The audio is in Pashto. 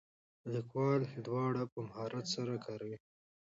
لیکوال دواړه په مهارت سره کاروي.